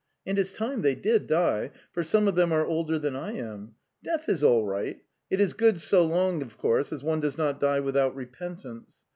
... And it's time they did die, for some of them are older than I am. Death is all right; it is good so long, of course, as one does not die without repentance.